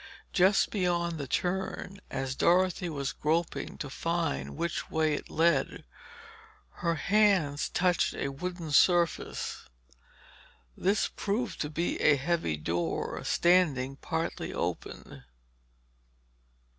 Just beyond the turn, as Dorothy was groping to find which way it led, her hands touched a wooden surface. This proved to be a heavy door, standing partly open.